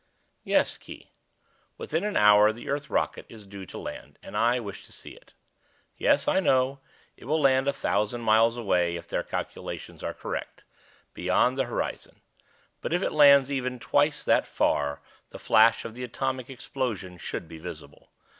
"Yes, Khee. Within an hour the Earth rocket is due to land, and I wish to see it. Yes, I know, it will land a thousand miles away, if their calculations are correct. Beyond the horizon. But if it lands even twice that far the flash of the atomic explosion should be visible.